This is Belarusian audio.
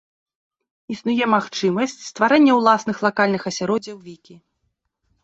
Існуе магчымасць стварэння ўласных лакальных асяроддзяў вікі.